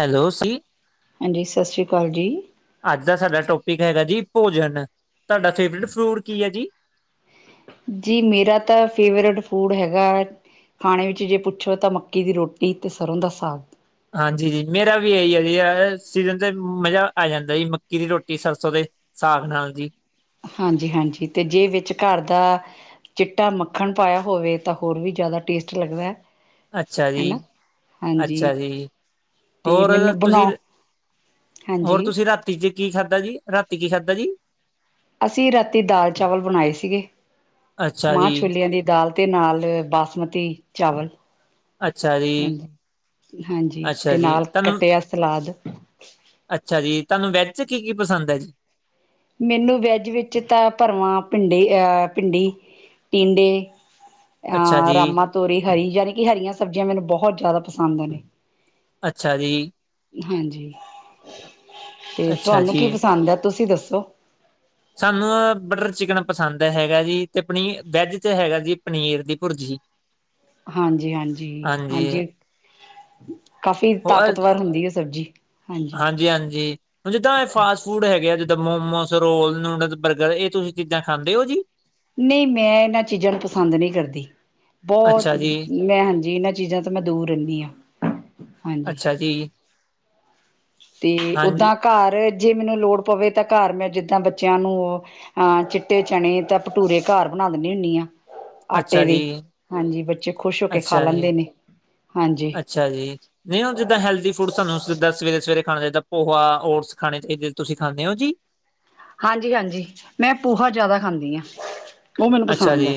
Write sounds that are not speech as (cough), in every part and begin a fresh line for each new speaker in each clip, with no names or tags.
Hello ਸੀ
ਹਾਂਜੀ ਸਤਿ ਸ਼੍ਰੀ ਅਕਾਲ ਜੀ
ਅੱਜ ਦਾ ਸਾਡਾ ਟੋਪਿਕ ਹੈਗਾ ਜੀ ਭੋਜਨ, ਤੁਹਾਡਾ ਫੇਵਰੇਟ ਫੂਡ ਕੀ ਹੈ ਜੀ?
ਜੀ, ਮੇਰਾ ਤਾਂ ਫੇਵਰੇਟ ਫੂਡ ਹੈਗਾ ਖਾਣੇ ਵਿੱਚ ਜੇ ਪੁੱਛੋ ਤਾਂ ਮੱਕੀ ਦੀ ਰੋਟੀ ਤੇ ਸਰ੍ਹੋਂ ਦਾ ਸਾਗ।
ਹਾਂਜੀ ਜੀ। ਮੇਰਾ ਵੀ ਇਹੀ ਹੈ ਜੀ ਸੀਜਨ ਤੇ ਮਜ਼ਾ ਆ ਜਾਂਦਾ ਜ ਮੱਕੀ ਦੀ ਰੋਟੀ ਸਰਸੋਂ ਤੇ ਸਾਗ ਨਾਲ ਜੀ।
ਹਾਂਜੀ-ਹਾਂਜੀ, ਤੇ ਜੇ ਵਿੱਚ ਘਰ ਦਾ ਚਿੱਟਾ ਮੱਖਣ ਪਾਇਆ ਹੋਵੇ, ਤਾਂ ਹੋਰ ਵੀ ਜ਼ਿਆਦਾ ਟੇਸਟ ਲੱਗਦਾ।
ਅੱਛਾ ਜੀ
ਨਾ ਹਾਂਜੀ
-ਅੱਛਾ ਜੀ
ਅਤੇ
ਹੋਰ
ਮੈਨੂੰ
ਤੁਸੀਂ?
ਬਣਾਓ ਹਾਂਜੀ
ਹੋਰ, ਤੁਸੀਂ ਰਾਤੀ ਚ ਕੀ ਖਾਧਾ ਜੀ, ਰਾਤੀ ਕੀ ਖਾਧਾ ਜੀ?
ਅਸੀਂ ਰਾਤੀ ਦਾਲ ਚਾਵਲ ਬਣਾਏ ਸੀਗੇ
ਅੱਛਾ
ਮਾਂ
ਜੀ
ਛੋਲਿਆਂ ਦੀ ਦਾਲ ਤੇ ਨਾਲ ਬਾਸਮਤੀ ਚਾਵਲ।
ਅੱਛਾ ਜੀ
ਹਾਂਜੀ,
ਅੱਛਾ
ਤੇ
ਜੀ
ਨਾਲ
ਤੁਹਾਨੂੰ
ਕੱਟਿਆ ਸਲਾਦ।
ਅੱਛਾ ਜੀ, ਤੁਹਾਨੂੰ ਵੈੱਜ ਚ ਕੀ-ਕੀ ਪਸੰਦ ਏ ਜੀ?
ਮੈਨੂੰ ਵੈਜ ਵਿੱਚ ਤਾਂ ਭਰਵਾਂ ਭਿੰਡੀ, ਅ ਭਿੰਡੀ ਟਿੰਡੇ
ਅੱਛਾ
ਅ
ਜੀ
ਰਾਮਾ ਤੋਰੀ ਹਰੀ, ਜਾਨੀ ਕਿ ਹਰੀਆਂ ਸਬਜ਼ੀਆਂ ਮੈਨੂੰ ਬਹੁਤ ਜ਼ਿਆਦਾ ਪਸੰਦ ਨੇ
ਅੱਛਾ ਜੀ!
ਹਾਂਜੀ, ਤੇ
ਅੱਛਾ
ਤੁਹਾਨੂੰ ਕੀ
ਜੀ
ਪਸੰਦ ਐ, ਤੁਸੀਂ ਦੱਸੋ।
ਸਾਨੂੰ ਬਟਰ ਚਿਕਨ ਪਸੰਦ ਹੈਗਾ ਜੀ ਤੇ ਪਨੀ ਵੈੱਜ ' ਹੈਗਾ ਜੀ ਪਨੀਰ ਦੀ ਭੁਰਜੀ।
ਹਾਂਜੀ- ਹਾਂਜੀ, ਹਾਂਜੀ ਕਾਫ਼ੀ ਤਾਕਤਵਰ ਹੁੰਦੀ ਹੈ ਸਬਜ਼ੀ ਹਾਂਜੀ
ਹਾਂਜੀ-ਹਾਂਜੀ, ਹੁਣ ਜਿੱਦਾਂ ਇਹ ਫਾਸ ਫੂਡ ਹੈਗੇ ਆ ਜਿੱਦਾਂ ਮੋਮੋਸ ਰੋਲ, ਨੂਡਲ, ਬਰਗਰ ਇਹ ਤੁਸੀਂ ਚੀਜ਼ਾਂ ਖਾਂਦੇ ਹੋ ਜੀ।
ਨਹੀਂ ਮੈਂ ਇਹਨਾਂ ਚੀਜ਼ਾਂ ਨੂੰ ਪਸੰਦ ਨਹੀਂ ਕਰਦੀ, ਬਹੁਤ
ਅੱਛਾ ਜੀ
ਮੈਂ ਹਾਂਜੀ, ਇਹਨਾਂ ਚੀ ਚੀਜ਼ਾਂ ਤੋਂ ਮੈਂ ਦੂਰ ਰਹਿੰਦੀ ਹਾਂ ਹਾਂਜੀ
ਅੱਛਾ ਜੀ।
ਤੇ
ਹਾਂਜੀ
ਓਦਾਂ ਘਰ ਜੇ ਮੈਨੂੰ ਲੋੜ ਪਵੇ ਤਾਂ ਘਰ ਮੈਂ ਜਿੱਦਾਂ ਬੱਚਿਆਂ ਨੂੰ ਹਾਂ, ਚਿੱਟੇ ਚਨੇ ਤਾਂ ਭਟੂਰੇ ਘਰ ਬਣਾ ਦਣੀ ਹੁੰਨੀ ਆ।
ਅੱਛਾ
ਆਟੇ ਦੀ,
ਜੀ
ਹਾਂਜੀ, ਬੱਚੇ ਖੁਸ਼ ਹੋ ਕੇ ਖਾ
ਅੱਛਾ ਜੀ
ਲੈਂਦੇ ਨੇ, ਹਾਂਜੀ
ਅੱਛਾ ਜੀ! ਨਹੀਂ ਉਹ ਜਿੱਦਾਂ ਹੈਲਦੀ ਫੂਡ ਸਾਨੂੰ ਜੀਦਾਂ ਸਵੇਰੇ- ਸਵੇਰੇ ਖਾਣਾ ਚਾਹੀਦਾ। ਪੋਹਾ, ਓਟਸ ਖਾਣੇ ਚਾਹੀਦੇ ਤੁਸੀਂ ਖਾਂਦੇ ਹੋ ਜੀ?
ਹਾਂਜੀ- ਹਾਂਜੀ ਮੈਂ ਪੋਹਾ ਜ਼ਿਆਦਾ ਖਾਂਦੀ ਹਾਂ ਉਹ ਮੈਨੂੰ
ਅੱਛਾ
ਪਸੰਦ ਹੈ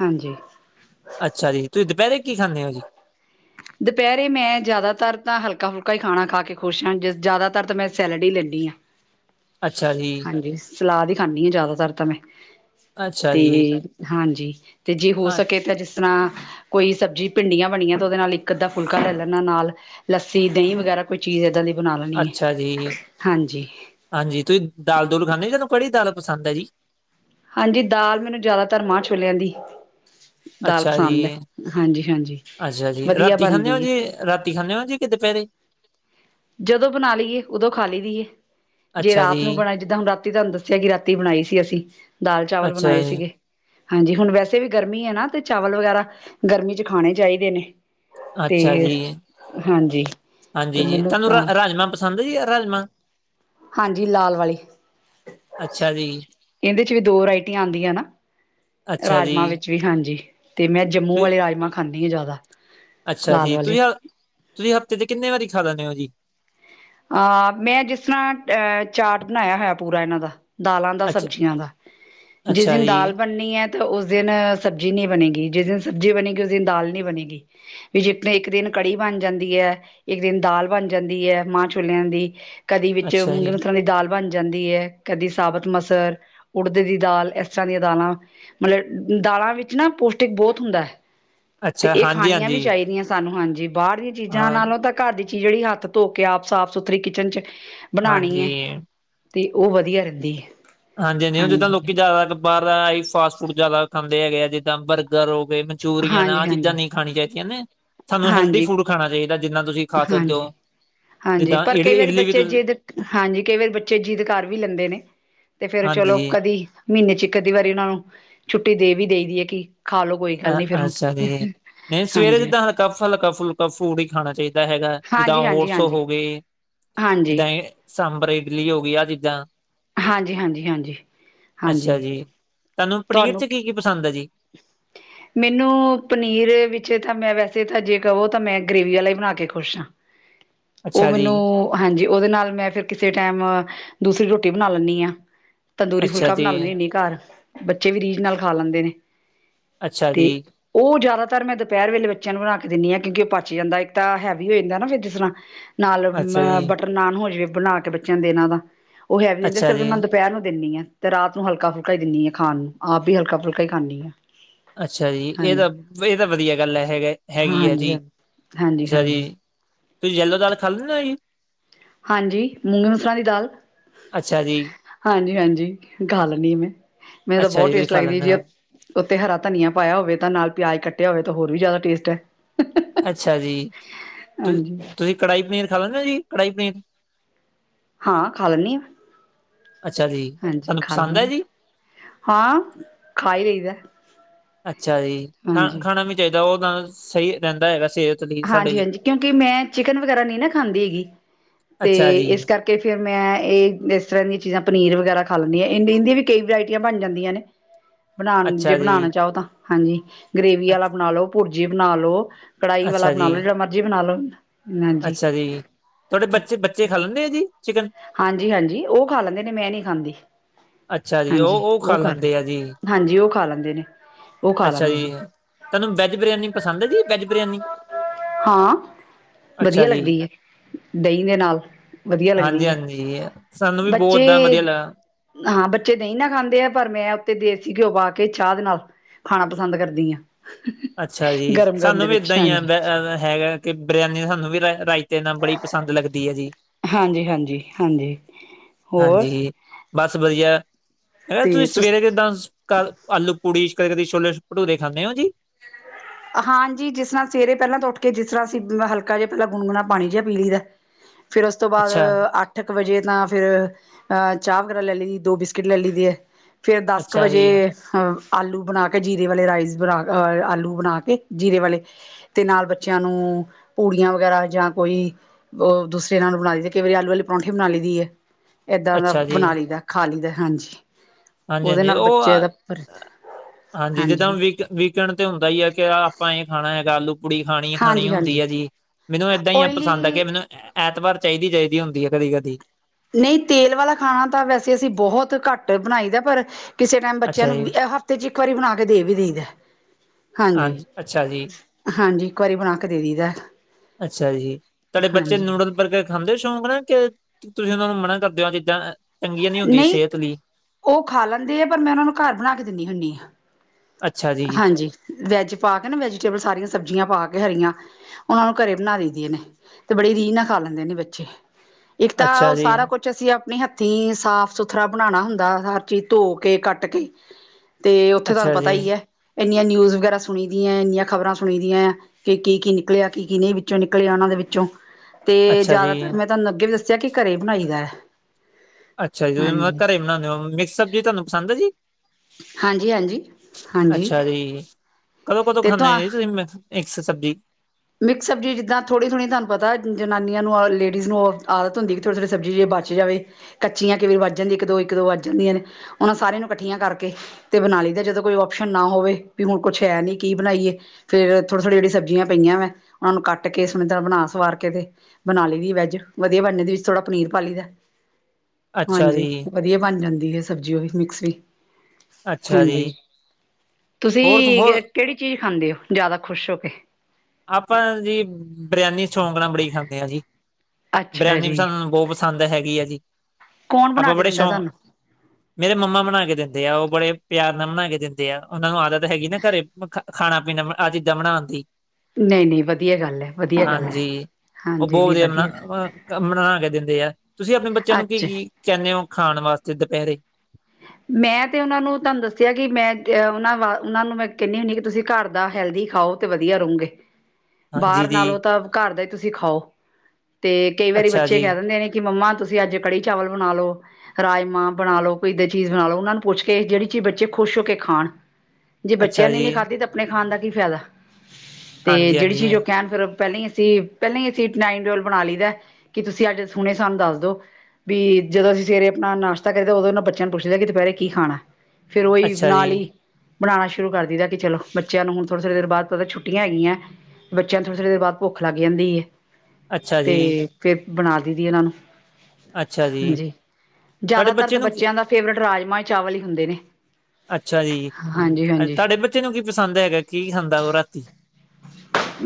ਹਾਂਜੀ
ਜੀ, ਤੁਸੀਂ ਦੁਪਹਿਰੇ ਕੀ ਖਾਣੇ ਓ ਜੀ।
ਦੁਪਹਿਰੇ ਮੈਂ ਜ਼ਿਆਦਾਤਰ ਤਾਂ ਹਲਕਾ-ਫੁਲਕਾ ਹੀ ਖਾਣਾ ਖਾ ਕੇ ਖੁਸ਼ ਹਾਂ, ਜਿਸ ਜ਼ਿਆਦਾਤਰ ਤਾਂ ਮੈਂ ਸੈਲਡ ਹੀ ਲੈਂਦੀ ਆਂ।
(inaudible) ਅੱਛਾ ਜੀ
ਹਾਂਜੀ, ਸਲਾਦ ਹੀ ਖਾਂਨੀ ਹਾਂ ਜ਼ਿਆਦਾਤਰ ਤਾਂ ਮੈਂ।
ਅੱਛਾ
ਤੇ
ਜੀ
ਹਾਂਜੀ, ਤੇ ਜੇ ਹੋ
ਅ
ਸਕੇ ਤਾਂ ਜ ਤਰ੍ਹਾਂ, ਕੋਈ ਸਬਜ਼ੀ ਭਿੰਡੀਆਂ ਬਣੀਆਂ ਤੇ ਉਹਦੇ ਨਾਲ ਅੱਧਾ ਫੁਲਕਾ ਲੈ ਲੈਣਾ ਨਾਲ, ਲੱਸੀ, ਦਹੀਂ ਵਗੈਰਾ ਕੋਈ ਚੀਜ਼ ਏਦਾਂ ਦੀ ਬਣਾ ਲੈਣੀ
ਅੱਛਾ
ਐ,
ਜੀ
ਹਾਂਜੀ।
ਹਾਂਜੀ। ਤੁਸੀਂ ਦਾਲ ਦੋਲ ਖਾਂਦੇ ਹੋ, ਤੁਹਾਨੂੰ ਕੜੀ ਦਾਲ ਪਸਦ ਹੈ ਜੀ?
ਹਾਂਜੀ, ਦਾਲ ਮੈਨੂੰ ਜ਼ਿਆਦਾਤਰ ਮਾਂ ਛੋਲਿਆਂ ਦੀ ਦਾਲ
ਅੱਛਾ ਜੀ
ਪਸੰਦ ਹੈ ਹਾਂਜੀ-ਹਾਂਜੀ
ਅੱਛਾ ਜੀ
ਵਧੀਆ
ਰਾਤੀ ਖਾਂਦੇ ਹੋ
ਬਣਦੀ ਹੈ।
ਜੀ ਰਾਤੀ ਖਾਂਦੇ ਹੋ, ਜੇ ਕਿ ਦੁਪਹਿਰੇ
ਜਦੋਂ ਬਣਾ ਲਈਏ ਉਦੋਂ ਖਾ ਲਈ ਦੀ ਏ, ਜੇ
ਅੱਛਾ ਜੀ
ਰਾਤ ਨੂੰ ਬਣਾ ਜਿੱਦਾਂ ਹੁਣ ਰਾਤੀ ਤੁਹਾਨੂੰ ਦੱਸ ਕਿਉਂਕਿ ਰਾਤੀ ਬਣਾਈ ਸੀ ਅਸੀਂ, ਦਾਲ ਚਾਵਲ
ਅੱਛਾ
ਬਣਾਏ
ਜੀ
ਸੀਗੇ। ਹਾਂਜੀ ਹੁਣ ਵੈਸੇ ਵੀ ਗਰਮੀ ਏ ਨਾ, ਤੇ ਚਾਵਲ ਵਗੈਰਾ ਗਰਮੀ ਚ ਖਾਣੇ ਚਾਹੀਦੇ ਨੇ।
ਅੱਛਾ
ਤੇ
ਜੀ
ਹਾਂਜੀ, ਤੇ
ਹਾਂਜੀ ਜੀ
ਮੈਨੂੰ
ਤੁਹਾਨੂੰ ਰਾ
ਤਾਂ
ਰਾਜਮਾਂ ਪਸੰਦ ਜੀ ਰਾਜਮਾਂ?
ਹਾਂਜੀ ਲਾਲ ਵਾਲੇ,
ਅੱਛਾ ਜੀ
ਇਹਦੇ ਚ ਵੀ ਦੋ ਵਰਾਇਟੀਆਂ ਆਂਦੀਆਂ ਨਾ।
ਅੱਛਾ ਜੀ
ਰਾਜਮਾਂ ਵਿੱਚ ਵੀ ਹਾਂਜੀ, ਤੇ ਮੈਂ ਜੰਮੂ
ਤੁਸੀਂ
ਵਾਲੇ ਰਾਜਮਾਂ ਖਾਂਦੀ ਹਾਂ ਜ਼ਾਦਾ।
ਅੱਛਾ ਜੀ, ਤੁਸੀਂ ਹ ਤੁਸੀਂ ਹਫ਼ਤੇ ਚ ਕਿੰਨੇ ਵਾਰੀ ਖਾ ਲੈਂਣੇ ਹੋ ਜੀ।
ਅਹ, ਮੈਂ ਜਿਸ ਤਰ੍ਹਾਂ ਅਹ ਚਾਰਟ ਬਣਾਇਆ ਹੋਇਆ ਪੂਰਾ ਇਹਨਾਂ ਦਾ ਦਾਲਾਂ ਦਾ
ਅੱਛਾ
ਸਬਜ਼ੀਆਂ ਦਾ ਜਿਸ
ਅੱਛਾ
ਦਿਨ
ਜੀ
ਦਾਲ ਬਣਨੀ ਹੈ। ਤਾਂ ਉਸ ਦਿਨ ਸਬਜ਼ੀ ਨਹੀਂ ਬਣੇਗੀ ਜਿਸ ਦਿਨ ਸਬਜ਼ੀ ਬਣੇਗੀ ਉਸ ਦਿਨ ਦਾਲ ਨਹੀਂ ਬਣੇਗੀ ਵੀ ਜਿੱਦਾ ਇੱਕ ਦਿਨ ਕੜੀ ਬਣ ਜਾਂਦੀ ਐ, ਇੱਕ ਦਿਨ ਦਾਲ ਬਣ ਜਾਂਦੀ ਐ, ਮਾਂਹ ਛ ਛੋਲਿਆਂ ਦੀ, ਕਦੀ ਵਿੱਚ
ਅੱਛਾ
ਮੂੰਗੀ
ਜੀ
ਮਸਰਾਂ ਦੀ ਦਾਲ ਬਣ ਜਾਂਦੀ ਹੈ ਕਦੀ ਸਾਬਤ ਮਸਰ ਉਡਦ ਦੀ ਦਾਲ ਇਸ ਤਰ੍ਹਾਂ ਦੀਆਂ ਦਾਲਾਂ ਮਤਲਬ ਦਾਲਾਂ ਵਿੱਚ ਨਾ ਪੋਸ਼ਟਿਕ ਬਹੁਤ ਹੁੰਦਾ ਹੈ। ਤੇ
ਅੱਛਾ
ਇਹ
ਹਾਂਜੀ
ਖਾਣੀਆਂ ਵੀ
ਹਾਂਜੀ
ਚਾਹੀਦੀਆਂ। ਸਾਨੂੰ ਹਾਂਜੀ, ਬਾਹਰ ਦੀਆਂ ਚੀਜ਼ਾਂ
ਹਾਂ
ਨਾਲੋਂ ਤਾਂ ਘਰ ਦੀ ਚੀਜ਼, ਜਿਹੜੀ ਹੱਥ ਧੋ ਕੇ ਆਪ ਸਾਫ਼- ਸੁਥਰੀ ਕਿਚਨ ਚ ਬਣਾਣੀ ਐ,
ਹਾਂਜੀ
ਤੇ ਉਹ ਵਧੀਆ ਰਹਿੰਦੀ ਐ।
ਹਾਂਜੀ-ਹਾਂਜੀ ਹੁਣ ਜਿੱਦਾਂ ਲੋਕੀ ਜ਼ਿਆਦਾ ਬਾਹਰ ਆਹੀ ਫਾਸਟ ਫੂਡ ਜ਼ਿਆਦਾ ਖਾਂਦੇ ਹੈਗੇ ਆ, ਜਿੱਦਾਂ ਬਰਗਰ ਹੋ ਗਏ, ਮਨ ਮਚੂਰੀਅਨ,
ਹਾਂਜੀ
ਆਹ ਚੀਜ਼ਾਂ
ਹਾਂਜੀ
ਨਹੀਂ ਖਾਣੀ ਚਾਹੀਦੀਆਂ ਨੇ, ਸਾਨੂੰ ਹੈਲਥੀ
ਹਾਂਜੀ,
ਫੂਡ ਖਾਣਾ ਚਾਹੀਦਾ, ਜਿੰਨਾ ਤੁਸੀਂ ਖਾ ਸਕਦੇ
ਹਾਂਜੀ।
ਹੋ
ਹਾਂਜੀ।
ਜਿੱਦਾਂ
ਪਰ
ਇਡ
ਕਈ ਵਾਰੀ
ਇਡਲੀ ਵੀ
ਬੱਚੇ
ਤੁਸੀਂ
ਜਿੱਦ ਹਾਂਜੀ। ਕਈ ਵਾਰੀ ਬੱਚੇ ਜਿਦ ਕਰ ਵੀ ਲੈਂਦੇ ਨੇ, ਤੇ ਫੇਰ ਚਲੋ
ਹਾਂਜੀ
ਕਦੀ ਮਹੀਨੇ 'ਚ ਇੱਕ ਅੱਧੀ ਵਾਰੀ ਉਹਨਾਂ ਨੂੰ, ਛੁੱਟੀ ਦੇ ਵੀ ਦੇਈ ਦੀ ਹੈ ਕਿ ਖਾ ਲਓ
ਅੱਛਾ ਜੀ ਨਹੀਂ ਸਵੇਰੇ
ਹਾਂਜੀ,
ਜਿੱਦਾਂ ਸਾਨੂੰ ਹਲਕਾ ਫੁਲਕਾ ਫੂਡ ਹੀ ਖਾਣਾ ਚਾਹੀਦਾ ਹੈਗਾ, ਜਿੱਦਾਂ
ਹਾਂਜੀ, ਹਾਂਜੀ,
ਓਟਸ
ਹਾਂਜੀ।
ਹੋ ਗਏ
ਹਾਂਜੀ,
ਜਿੱਦਾਂ ਇਹ ਸਾਂਬਰ ਇਡਲੀ ਹੋ ਗਈ, ਆਹ ਚੀਜ਼ਾਂ। ਅੱਛਾ
ਹਾਂਜੀ-ਹਾਂਜੀ-ਹਾਂਜੀ-ਹਾਂਜੀ।
ਜੀ ਤੁਹਾਨੂੰ ਪਨੀਰ ਚ' ਕੀ- ਕੀ ਪਸੰਦ ਹੈ ਜੀ?
ਮੈਨੂੰ ਪਨੀਰ ਵਿੱਚ ਤਾਂ, ਮੈਂ ਵੈਸੇ ਤਾਂ ਜੇ ਕਵੋ ਤਾਂ ਮੈਂ ਗ੍ਰੇਵੀ ਵਾਲਾ ਹੀ ਬਣਾ ਕੇ ਖੁਸ਼ ਆ।
(inaudible)
ਉਹ
ਜੀ
ਮੈਨੂੰ, ਹਾਂਜੀ ਉਹਦੇ ਨਾਲ ਮੈਂ ਫੇਰ ਕਿਸੇ ਟਾਈਮ ਦੂਸਰੀ ਰੋਟੀ ਬਣਾ ਲੈਂਦੀ ਆ ਤੰਦੂਰੀ
ਅੱਛਾ
ਫੁਲਕਾ
ਜੀ
ਬਣਾ ਲੈਂਣੀ ਹੁਣੀ ਆਂ ਘਰ, ਬੱਚੇ ਵੀ ਰੀਝ ਨਾਲ ਖਾ ਲੈਂਦੇ ਨੇ,
ਅੱਛਾ
ਤੇ
ਜੀ
ਉਹ ਜ਼ਿਆਦਾਤਰ ਮੈਂ ਦੁਪਹਿਰ ਵੇਲੇ ਬੱਚਿਆਂ ਨੂੰ ਬਣਾ ਕੇ ਦਿੰਦੀ ਹਾਂ ਕਿਉਂਕਿ ਉਹ ਪਚ ਜਾਂਦਾ ਇੱਕ ਤਾਂ ਹੈਵੀ ਹੋ ਜਾਂਦਾ ਨਾ ਫਿਰ ਜਿਸਰ ਨਾਲ
ਅੱਛਾ
ਅ
ਜੀ
ਬਟਰ ਨਾਨ ਹੋ ਜਾਵੇ, ਬਣਾ ਕੇ ਬੱਚਿਆਂ ਦੇਣਾ ਦਾ। ਉਹ ਹੈਵੀ ਹੁੰਦੀ ਐ, ਇਸ
ਅੱਛਾ
ਕਰਕੇ
ਜੀ
ਉਹਨਾਂ ਨੂੰ ਦੁਪਹਿਰ ਨੂੰ ਦਿੰਨੀ ਆ। ਤੇ ਰਾਤ ਨੂੰ ਹਲਕਾ ਫੁਲਕਾ ਹੀ ਦਿੰਦੀ ਆ ਖਾਣ ਨੂੰ, ਆਪ ਵੀ ਹਲਕਾ ਫੁਲਕਾ ਹੀ ਖਾਂਦੀ ਹਾਂ
ਅੱਛਾ ਜੀ, ਇਹ
ਹਾਂਜੀ
ਤਾਂ-ਇਹ ਤਾਂ ਵਧੀਆ ਗੱਲ ਹੈ ਹੈਗਾ ਹੈਗੀ ਐ ਜੀ। ਅੱਛਾ ਜੀ
ਹਾਂਜੀ-ਹਾਂਜੀ।
ਤੁਸੀਂ ਯੈੱਲੋ ਦਾਲ ਖਾ ਲੈਂਦੇ ਹੋ ਜੀ?
ਹਾਂਜੀ, ਮੂੰਗੀ ਮਸਰਾਂ ਦੀ ਦਾਲ
ਅੱਛਾ ਜੀ
ਹਾਂਜੀ ਹਾਂਜੀ ਖਾ ਲੈਂਦੀ ਆ ਮੈਂ ਮੈਨੂੰ ਤਾਂ
ਅੱਛਾ
ਬਹੁਤ
ਜੀ ਤੁਸੀਂ
ਟੇਸਟ
ਖਾ
ਲੱਗਦੀ ਆ
ਲੈਂਦੇ
ਜੀ
ਹੋ
ਉੱਤੇ ਹਰਾ ਧਨੀਆ ਪਾਇਆ ਹੋਵੇ, ਤਾਂ ਨਾਲ ਪਿਆਜ ਕੱਟਿਆ ਹੋਵੇ, ਤਾਂ ਹੋਰ ਵੀ ਜ਼ਿਆਦਾ ਟੇਸਟ ਐ।
ਅੱਛਾ ਜੀ
ਹਾਂਜੀ,
ਤੁਸੀਂ ਕੜਾਹੀ ਪਨੀਰ ਖਾ ਲੈਂਦੇ ਹੋ ਜੀ ਕੜਾਹੀ ਪਨੀਰ?
ਹਾਂ ਖਾ ਲੈਨੀ ਹਾਂ
ਅੱਛਾ ਜੀ
ਹਾਂਜੀ
ਤੁਹਾਨੂੰ
ਖਾ
ਪਸੰਦ
ਲੈਨੀ
ਹੈ
ਆ
ਜੀ
ਹਾਂ, ਖਾ ਹੀ ਰਹੀਦਾ।
ਅੱਛਾ ਜੀ, ਖਾ ਖਾਣਾ ਵੀ ਚਾਹੀਦਾ, ਉਹ ਤਾਂ ਸਹੀ ਰਹਿੰਦਾ ਹੈਗਾ ਸਿਹਤ ਲਈ ਸਾਡੇ ਲਈ
ਹਾਂਜੀ-ਹਾਂਜੀ, ਕਿਉਂਕਿ ਮੈਂ ਚਿਕਨ ਵਗੈਰਾ ਨਹੀਂ ਨਾ ਖਾਂਦੀ ਹੈਗੀ, ਤੇ
ਅੱਛਾ ਜੀ
ਇਸ ਕਰਕੇ ਕਿ ਫਿਰ ਮੈਂ ਇਹ ਇਸ ਤਰ੍ਹਾਂ ਦੀਆਂ ਚੀਜ਼ਾਂ ਪਨੀਰ ਵਗੈਰਾ ਖਾ ਲੈਂਦੀ ਹਾਂ, ਇੰਡੀਅਨ ਇਹ ਦੀਆਂ ਵੀ ਕਈ ਵਰਾਇਟੀਆਂ ਬਣ ਜਾਂਦੀਆਂ ਨੇ।
(unintelligible)
ਬਣਾਣ ਜੇ
ਅੱਛਾ
ਬਣਾਣਾ
ਜੀ
ਚਾਹੋ, ਤਾਂ ਹਾਂਜੀ ਗ੍ਰੇਵੀ ਵਾਲਾ
ਅੱਛ-
ਬਣਾ ਲੋ, ਭੁਰਜੀ ਬਣਾ ਲੋ। ਕੜਾਈ ਵਾਲਾ
ਅੱਛਾ
ਬਣਾ
ਜੀ
ਲੋ, ਜੇੜਾ ਮਰਜ਼ੀ ਬਣਾ ਲੋ।
ਅੱਛਾ ਜੀ, ਤੁਆਡੇ ਬੱਚੇ- ਬੱਚੇ ਖਾ ਲੈਂਦੇ ਐ ਜੀ, ਚਿਕਨ।
ਹਾਂਜੀ-ਹਾਂਜੀ, ਉਹ ਖਾ ਲੈਂਦੇ ਨੇ, ਮੈਂ ਨੀ ਖਾਂਦੀ।
ਅੱਛਾ ਜੀ
ਹਾਂਜੀ,
ਉਹ ਉਹ ਖਾ
ਓਹ ਖਾਲੈ,
ਲੈਂਦੇ ਆ ਜੀ
ਹਾਂਜੀ ਓਹ ਖਾ ਲੈਂਦੇ ਨੇ। ਉਹ ਖਾ
ਅੱਛਾ
ਲੈਂਦੇ ਨੇ
ਜੀ, ਤੈਨੂੰ ਵੈੱਜ ਬਰਿਆਨੀ ਪਸੰਦ ਐ ਜੀ, ਵੈੱਜ ਬਰਿਆਨੀ।
ਹਾਂ, ਵਧੀਆ
ਜੀ,
ਲੱਗਦੀ ਏ ਦਹੀਂ ਦੇ ਨਾਲ, ਵਧੀਆ ਲੱਗ
ਹਾਂਜੀ-ਹਾਂਜੀ, ਸਾਨੂੰ ਵੀ ਬਹੁ ਇੱਦਾਂ ਦਾ ਵਧੀਆ ਲੱਗ
ਹਾਂ, ਬੱਚੇ ਦਹੀਂ ਨਾ ਖਾਂਦੇ ਐ, ਪਰ ਮੈਂ ਉਤੇ ਦੇਸੀ ਘਿਓ ਪਾ ਕੇ ਚਾਹ ਦੇ ਨਾਲ ਖਾਣਾ ਪਸੰਦ ਕਰਦੀ ਆਂ।
ਅੱਛਾ ਜੀ, ਸਾਨੂੰ ਵੀ ਏਦਾਂ ਈ
ਹਾਂਜੀ
ਐੰਦਾ ਐਵੈ ਹੈਗਾ। ਕਿ ਬਰਿਆਨੀ ਸਾਨੂੰ ਵੀ ਰਾਇਤੇ ਨਾਲ ਬੜੀ ਪਸੰਦ ਲੱਗਦੀ ਐ ਜੀ।
ਹਾਂਜੀ-ਹਾਂਜੀ-ਹਾਂਜੀ, ਹੋਰ
ਹਾਂਜੀ। ਬਸ ਵਧੀਐ ਔ ਯਾਰ ਤੁਸੀਂ
ਤੇ ਤੁ
ਸਵੇਰੇ ਕਿਦਾਂ ਕੱਲ ਆਲੂ ਪੂੜੀ ਕਦੇ-ਕਦੇ ਛੋਲੇ ਭਟੂਰੇ ਖਾਂਦੇ ਹੋ ਜੀ?
ਹਾਂਜੀ ਜਿਸਰਾ ਸਵੇਰੇ ਪਹਿਲਾਂ ਤਾ ਉੱਠ ਕੇ ਜਿਸਰਾ ਅਸੀਂ ਹਲਕਾ ਜਿਹਾ ਪਹਿਲਾ ਗੁਣ ਗੁਨਾ ਪਾਣੀ ਜਿਹਾ ਪੀ ਲੀ ਦਾ। ਫਿਰ ਉਸ ਤੋਂ ਬਾਦ
ਅੱਛਾ,
ਆ ਅੱਠ ਕੁ ਵਜੇ ਤਾਂ ਫਿਰ ਚਾਹ ਵਗੈਰਾ ਲੈ ਲਈਦੀ ਦੋ ਬਿਸਕਿਟ ਲਲੀ ਦੇ ਹੈ। ਫੇਰ ਦਸ ਕ
ਅੱਛਾ
ਵਜੇ
ਜੀ,
ਅ ਆਲੂ ਬਣਾ ਕੇ ਜੀਰੇ ਵਾਲੇ ਰਾਈਸ ਬਣਾ ਅ ਆਲੂ ਬਣਾ ਤੇ ਜੀਰੇ ਵਾਲੇ ਤੇ ਨਾਲ ਬੱਚਿਆਂ ਨੂੰ ਪੂੜੀਆਂ ਵਗੈਰਾ ਜਾਂ ਕੋਈ ਓਹ ਦੂਸਰੇ ਇਹਨਾਂ ਨੂੰ ਬਣਾ ਦੀ ਏ ਕਈ ਵਾਰੀ ਆਲੂ ਆਲੀ ਪਰੌਂਠੀ ਬਣਾ ਲਈ ਦੀ ਏ। ਐਦਾਂ ਦਾ
ਅੱਛਾ ਜੀ,
ਬਣਾ ਲੀ ਦੈ ਖਾ ਲੀ ਦੈ, ਹਾਂਜੀ। ਉਹਦੇ
ਹਾਂਜੀ-ਹਾਂਜੀ,
ਨਾਲ
ਓਹ
ਬੱਚੇ
ਆ
ਦਾ
ਹਾਂਜੀ ਜਿੱਦਾਂ ਹੁਣ ਵੀਕ ਵੀਕਐਂਡ ਤੇ ਹੁੰਦਾ ਹੀ ਹੈ ਕਿ ਆਪਾ ਇਹ ਖਾਣਾ ਹੈਗਾ ਆਲੂ ਪੂੜੀ ਖਾਣੀ ਏ ਖਾਣੀ
ਹਾਂਜੀ
ਹੁੰਦੀ
ਹਾਂਜੀ
ਐ ਜੀ ਮੈਨੂੰ ਏਦਾਂ ਈ ਐ ਪਸੰਦ ਐ
ਓਇਲੀ
ਕਿ ਮੈਨੂੰ ਐਤਵਾਰ ਚਾਹੀਦੀ-ਚਾਹੀਦੀ ਹੁੰਦੀ ਹੈ ਕਦੀ-ਕਦੀ।
ਨਹੀਂ ਤੇਲ ਵਾਲਾ ਖਾਣਾ ਤਾਂ ਵੈਸੇ ਅਸੀਂ ਬਹੁਤ ਘੱਟ ਬਣਾਈ ਦਾ ਪਰ ਕਿਸੇ ਟੈਮ ਬੱਚਿਆਂ
ਅੱਛਾ ਜੀ।
ਨੂੰ ਐ ਹਫ਼ਤੇ ਚ ਇੱਕ ਵਾਰੀ ਬਣਾ ਕੇ ਦੇ ਵੀ ਦਈ ਦੈ।
ਹਾਂਜੀ, ਅੱਛਾ ਜੀ,
ਹਾਂਜੀ-ਹਾਂਜੀ ਇੱਕ ਵਾਰੀ ਬਣਾ ਕੇ ਦੇ ਦਿਦਾ।
ਅੱਛਾ ਜੀ ਤੁਹਾਡੇ ਬੱਚੇ ਨੂਡਲ, ਬਰਗਰ ਖਾਂਦੇ ਸ਼ੌਂਕ ਨਾ ਕੇ ਤੁਸੀਂ ਓਹਨਾਂ ਨੂੰ ਮਨਾ ਕਰਦੇ ਹੋ ਚੀਜ਼ਾਂ ਚੰਗੀਆਂ ਨੀ ਹੁੰਦੀਆਂ
ਨਹੀਂ
ਸੇਹਤ ਲੀ।
ਉਹ ਖਾ ਲੈਂਦੇ ਆ ਪਰ ਮੈਂ ਉਹਨਾਂ ਨੂੰ ਘਰ ਬਣਾ ਕੇ ਦਿੰਦੀ ਹੁੰਦੀ ਹਾਂ,
ਅੱਛਾ ਜੀ,
ਹਾਂਜੀ। ਵੈੱਜ ਪਾ ਕੇ ਨਾ ਵੈਜੀਟੇਬਲ ਸਾਰੀਆ ਸਬਜ਼ੀਆ ਪਾ ਕੇ ਹਰੀਆ। ਉਹ ਘਰੇ ਬਣਾ ਲੀ ਦੀਏ ਨੇ ਤੇ ਬੜੀ ਰੀਹ ਨਾਲ ਖਾ ਲੈਂਦੇ ਨੇ ਬੱਚੇ। ਇੱਕ ਤਾਂ
ਅੱਛਾ
ਉਹ
ਜੀ,
ਸਾਰਾ ਕੁਛ ਅਸੀਂ ਆਪਣੇ ਹੱਥੀਂ ਸਾਫ-ਸੁਥਰਾ ਬਣਾਣਾ ਹੁੰਦਾ, ਹਰ ਚੀਜ਼ ਧੋ ਕੇ ਕੱਟ ਕੇ। ਤੇ ਓਥੇ ਤੁਹਾਨ
ਅੱਛਾ
ਪਤਾ
ਜੀ,
ਹੀ ਐ, ਇੰਨੀਆਂ ਨਿਊਜ਼ ਵਗੈਰਾ ਸੁਣੀ ਦੀ ਐ ਇੰਨੀਆਂ ਖ਼ਬਰਾਂ ਸੁਣੀ ਦੀਐਂ। ਕਿ ਕੀ-ਕੀ ਨਿਕਲਿਆ, ਕੀ-ਕੀ ਨਹੀਂ ਵਿੱਚੋਂ ਨਿਕਲਿਆ ਓਨਾਂ ਦੇ ਵਿੱਚੋਂ। ਤੇ
ਅੱਛਾ ਜੀ।
ਜਾਦਾਤਰ ਮੈਂ ਤੁਹਾਨ ਅੱਗੇ ਵੀ ਦੱਸਿਆ ਕਿ ਘਰੇ ਹੀ ਬਣਾਈ ਦੈ।
ਅੱਛਾ ਜੀ ਤੁਸੀ ਮੈਂ ਘਰੇ ਬਣਾਣੇ ਔ ਮਿਕਸ ਸਬਜ਼ੀ ਤੁਆਨੂੰ ਪਸੰਦ ਐ ਜੀ?
ਹਾਂਜੀ-ਹਾਂਜੀ, ਹਾਂਜੀ।
ਤੇ ਕਦੋਂ-ਕਦੋਂ
ਤੇ
ਖਾਂਦੇ
ਤੁਹਾ
ਹੋ ਜੀ ਤੁਸੀ ਮਿਕਸ, ਮਿਕਸ ਸਬਜ਼ੀ।
ਮਿਕਸ ਸਬਜ਼ੀ ਜਿੱਦਾ ਥੋੜੀ-ਥੋੜੀ ਤਾਨੂੰ ਪਤਾ ਜਨਾਨੀਆਂ ਨੂੰ ਅ ਲੇਡੀਜ਼ ਨੂੰ ਔ ਆਦਤ ਹੁੰਦੀ ਕਿ ਥੋੜੀ-ਥੋੜੀ ਸਬਜ਼ੀੇ ਜੇ ਬਚ ਜਾਵੇ ਕੱਚੀਆਂ ਕਿ ਵਰ ਵੱਜ ਜਾਂਦੀ ਏ ਇੱਕ ਦੋ ਇੱਕ ਦੋ ਵੱਜ ਜਾਂਦੀਆਂ ਨੇ ਓਨਾਂ ਸਾਰੀਆਂ ਨੂੰ ਕੱਠੀਆਂ ਕਰਕੇ ਤੇ ਬਣਾਲੀ ਦਾ ਜਦੋਂ ਕੋਈ ਓਪਸ਼ਨ ਨਾ ਹੋਵੇ ਵੀ ਹੁਣ ਕੁਛ ਹੈ ਨੀ ਕੀ ਬਣਾਈ ਫੇਰ ਥੋੜੀ-ਥੋੜੀ ਜਿਹੜੀਆ ਸਬਜ਼ੀਆ ਪਈਆਂ ਵੈ ਉਹਨੂੰ ਕੱਟ ਕੇ ਸੋਨੀ ਤਰਹਾਂ ਬਣਾ ਸਵਾਰ ਕੇ ਤੇ ਬਣਾ ਲਈ ਦੀ ਏ ਵੈਜ ਵਧੀਆ ਬਣ ਜਾੰਦੀ ਵਿੱਚ ਥੋੜ੍ਹਾ ਪਨੀਰ ਪਾ ਲੀ ਦੈ।
ਅੱਛਾ
ਹਾਂਜੀ,
ਜੀ,
ਵਧੀਆ ਬਣ ਜਾਂਦੀ ਏ ਸਬਜ਼ੀ ਓ ਵੀ ਮਿਕਸ ਵੀ।
ਅੱਛਾ
ਹਾਂਜੀ
ਜੀ, ਹੋਰ
ਤੁਸੀਂ
ਹੋਰ
ਕਿਹੜੀ ਚੀਜ਼ ਖਾਂਦੇ ਹੋ ਜਾਦਾ ਖ਼ੁਸ਼ ਹੋ ਕੇ।
ਆਪਾਂ ਜੀ ਬਰਿਆਨੀ ਸ਼ੌਕ ਨਾਲ ਬੜੀ ਖਾਂਦੇ ਹਾਂ ਜੀ,
ਅੱਛਾ
ਬਰਿਆਨੀ ਵੀ
ਜੀ
ਸਾਨੂੰ ਬਹੁਤ ਪਸੰਦ ਹੈਗੀ ਆ ਜੀ,
ਕੌਣ ਬਣਾ
ਆਪਾਂ
ਕੇ
ਬੜੇ
ਦਿੰਦਾ
ਸ਼ੌਂ
ਤੁਹਾਨੂੰ
ਮੇਰੇ ਮੰਮਾ ਬਣਾ ਕੇ ਦਿੰਦੇ ਆ ਉਹ ਬੜੇ ਪਿਆਰ ਨਾਲ ਬਣਾ ਕੇ ਦਿੰਦੇ ਆ ਉਹਨਾਂ ਨੂੰ ਆਦਤ ਹੈਗੀ ਨਾ ਘਰੇ ਖਾਣਾ-ਪੀਣਾ ਆ ਚੀਜ਼ਾਂ ਬਣਾਣ ਦੀ।
ਨਹੀਂ-ਨਹੀਂ ਵਧੀਆ ਗੱਲ ਹੈ। ਵਧੀਆ ਗੱਲ ਹੈ
ਹਾਂਜੀ, ਓਹ
ਹਾਂਜੀ
ਬੌ
ਨਹੀਂ
ਵਧੀਆ ਮੈਂ
ਗੱਲ
ਅ ਕ ਬਣਾ ਕੇ ਦਿੰਦੇ ਐ ਤੁਸੀਂ ਅਪਣੇ ਬੱਚਿਆਂ ਨੂੰ
ਅੱਛਾ
ਕੀ-ਕੀ ਕੈੰਣੇ ਔ ਖਾਣ ਵਾਸਤੇ ਦੁਪੈਰੇ?
ਮੈਂ ਤੇ ਓਨਾਂ ਨੂੰ ਤਾਨੁ ਦੱਸਿਆ ਕਿ ਮੈਂ ਦੇ ਉਨਾਂ ਵਾ ਉਨਾਂ ਨੂੰ ਮੈਂ ਕੈਣੀ ਹੁੰਣੀ ਅ ਕਿ ਤੁਸੀਂ ਘਾਰ ਦਾ ਹੈਲਦੀ ਖਾਓ। ਤੇ ਵਧੀਆ ਰਾਉਗੇ।
(unintelligible)
ਬਾਰ ਨਾਲੋਂ
ਜੀ
ਤਾਂ ਘਰ ਦਾ ਹੀ ਤੁਸੀਂ ਖਾਓ ਤੇ ਕਈ ਵਾਰੀ
ਅੱਛਾ
ਬੱਚੇ
ਜੀ
ਕਹਿ ਦਿੰਦੇ ਨੇ ਕਿ ਮੰਮਾ ਤੁਸੀਂ ਅੱਜ ਕੜੀ ਚਾਵਲ ਬਣਾ ਲਓ, ਰਾਜਮਾਂ ਬਣਾ ਲਓ। ਕੋਈ ਇਦਾਂ ਚੀਜ਼ ਬਣਾ ਲੋ, ਔਨਾਂ ਨੂੰ ਪੁੱਛ ਕੇ ਜੇੜੀ ਚੀਜ਼ ਬੱਚੇ ਖੁਸ਼ ਹੋ ਕੇ ਖਾਣ। ਜੇ, ਬੱਚਿਆਂ
ਅੱਛਾ
ਨੇ
ਜੀ
ਨੀ ਖਾਧੀ, ਤੇ ਆਪਣੇ ਖਾਣ ਦਾ ਕੀ ਫਾਇਦਾ, ਤੇ
ਹਾਂਜੀ
ਜਿਹੜੀ
ਹਾਂਜੀ
ਚੀਜ਼ ਉਹ, ਕਹਿਣ ਫਿਰ ਪਹਿਲੇ ਈ ਅਸੀਂ -ਪੈਲਾਂ ਈ ਅਸੀਂ, ਈਟਨਾਈਨ ਰੋਲ ਬਣਾ ਲੀ ਦਾ ਕਿ, ਤੁਸੀਂ ਅੱਜ ਹੁਣੇ ਸਾਨੂੰ ਦੱਸ ਦੋ? ਬੀ ਜਦੋਂ, ਅਸੀਂ ਸਵੇਰੇ ਅਪਣਾ ਨਾਸ਼ਤਾ ਕਰੀ ਦਾ ਓਦੋਂ ਇਨਾ ਬੱਚ ਜਾ ਪੁੱਛ ਲਿਆ, ਦੁਪਹਿਰੇ ਕੀ ਖਾਣਾ, ਫ਼ਿਰ ਉਹੀ
ਅੱਛਾ ਜੀ
ਨਾਲ ਹੀ ਬਣਾਉਣਾ ਸ਼ੁਰੂ ਕਰ ਦੀ ਦਾ, ਕਿ ਚਲੋ ਬੱਚਿਆਂ ਨੂੰ ਹੁਣ ਥੋੜ੍ਹੇ -ਥੋੜੇ ਦੇਰ ਬਾਅਦ, ਪਤਾ ਛੁੱਟ ਹੈਗੀਆਂ। ਬੱਚਿਆਂ ਨੂੰ, ਥੋੜੀ-ਥੋੜੀ ਦੇਰ ਬਾਦ ਭੁੱਖ ਲੱਗ ਜਾਂਦੀ ਏ।
ਅੱਛਾ ਜੀ
ਤੇ ਫਿਰ ਬਣਾ, ਦੀ-ਦੀ ਇਹਨਾਂ ਨੂੰ,
ਅੱਛਾ ਜੀ
ਹਾਂਜੀ,
ਤੁਹਾਡੇ
ਜ਼ਿਆਦਾਤਰ ਤਾਂ ਬੱਚੇ
ਨੂੰ ਕੀ
ਬੱਚਿਆਂ ਦੇ ਫੇਵਰੇਟ ਰਾਜਮਾ ਚਾਵਲ ਹੀ ਹੁੰਦੇ ਨੇ, ਹਾਂਜੀ- ਹਾਂਜੀ।
ੇ ਕਿਨੂੰ ਕੀ ਪਸੰਦ ਹੈਗਾ, ਕੀ ਖਾਂਦਾ ਉਹ ਰਾਤੀ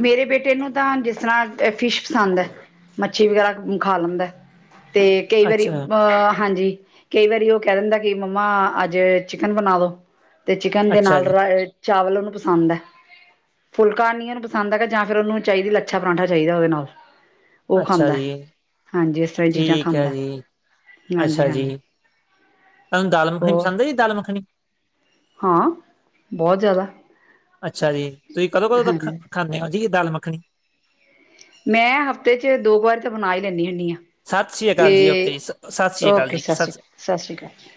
ਮੇਰੇ ਬੇਟੇ ਨੂੰ ਤਾਂ, ਜਿਸ ਤਰ੍ਹਾਂ ਏ ਫਿਸ਼, ਪਸੰਦ ਐ। ਮੱਛੀ ਵਗੈਰਾ, ਖਾ ਲੈਂਦਾ ਤੇ ਕਈ ਵਾਰੀ
ਅੱਛਾ
ਅਹ ਹਾਂਜੀ। ਕਈ ਵਾਰੀ, ਉਹ ਕਹਿ ਦਿੰਦਾ, ਕਿ ਮੰਮਾ ਅੱਜ ਚਿਕਨ ਬਣਾ ਦੋ ਤੇ ਚਿਕਨ, ਦੇ
ਅੱਛਾ
ਨਾਲ
ਜੀ
ਚਾਵਲ, ਉਹਨੂੰ ਪਸੰਦ ਹੈ, ਫੁਲਕਾ ਨੀਆਂ, ਪਸੰਦ ਹੈਗਾ ਜਾਂ, ਫਿਰ ਉਹਨੂੰ ਚਾਹੀਦੀ ਲੱਛਾ ਪਰਾਂਠਾ ਚਾਹੀਦਾ ਉਹਦੇ ਨਾਲ। ਔ
ਅੱਛਾ
ਖਾਂਦਾ,
ਜੀ
ਹਾਂਜੀ, ਐਸ ਤਰ੍ਹਾਂ ਦੀ ਚੀਜ਼ਾਂ
ਠੀਕ ਹੈ
ਖਾਂਦਾ,
ਜੀ
ਹਾਂਜੀ-
ਅੱਛਾ ਜੀ
ਹਾਂਜੀ?
ਤੁਹਾਨੂੰ ਦਾਲ-ਮੱਖਣੀ
ਹੋਰ
ਪਸਦ ਹੈ ਜੀ, ਦਾਲ ਮੱਖਣੀ?
ਹਾਂ, ਬਹੁਤ ਜ਼ਿਆਦਾ
ਅੱਛਾ ਜੀ, ਤੁਸੀਂ ਕਦੋਂ- ਕਦੋਂ ਤੱਕ
ਹਾਂਜੀ
ਖਾਂਦੇ ਹੋ ਜੀ ਦਾਲ ਮੱਖਣੀ?
ਮੈਂ ਹਫ਼ਤੇ ਚ, ਦੋ ਕ ਵਾਰ ਤੇ ਬਣਾ ਈ ਲੈਂਣੀ, ਹੁੰਣੀ ਆਂ।
ਸਤ ਸ਼੍ਰੀ ਅਕਾਲ ਜੀ, ਓਕੇ ਜੀ ਸਤ ਸ਼੍ਰੀ ਅਕਾਲ
ਓਕੇ
ਜੀ।
ਸਤਿ ਸ਼੍ਰੀ
ਸਤ
ਅਕਾਲ ਸਤਿ ਸ਼੍ਰੀ ਅਕਾਲ,